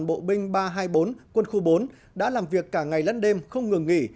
bộ binh một sư đoàn bộ binh ba trăm hai mươi bốn quân khu bốn đã làm việc cả ngày lẫn đêm không ngừng nghỉ